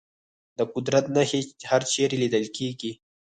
د قدرت نښې هرچېرې لیدل کېږي.